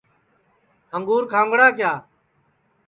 انگُور کھاؤنگڑا کِیا